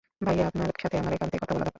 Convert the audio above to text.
ভাইয়া, আপনার সাথে আমার একান্তে কথা বলা দরকার।